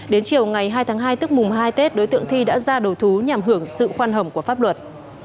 đến chiều ngày hai tháng hai tức mùng hai tết đối tượng thi đã ra đầu thú nhằm hưởng sự khoan hầm của pháp luật